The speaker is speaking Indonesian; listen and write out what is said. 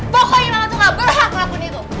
pokoknya mama tuh gak berhak ngakuni itu